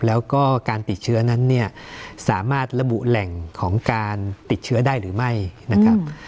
แล้วก็การติดเชื้อนั้นเนี่ยสามารถระบุแหล่งของการติดเชื้อได้หรือไม่นะครับ